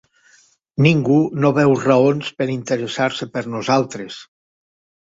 Ningú no veu raons per interessar-se per nosaltres.